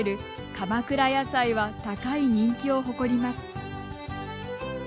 鎌倉やさいは高い人気を誇ります。